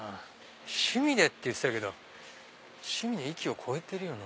趣味って言ってたけど趣味の域を超えてるよな。